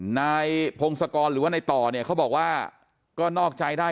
นายพงศกรหรือว่าในต่อเนี่ยเขาบอกว่าก็นอกใจได้